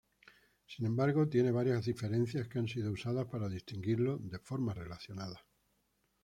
Sin embargo, tiene varias diferencias, que han sido usadas para distinguirlo de formas relacionadas.